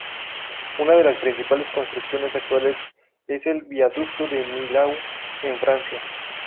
Una de sus principales construcciones actuales es el Viaducto de Millau, en Francia.